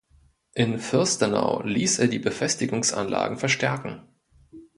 In Fürstenau ließ er die Befestigungsanlagen verstärken.